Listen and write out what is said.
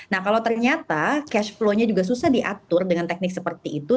nah kalau ternyata cash flow nya juga susah diatur dengan teknik seperti itu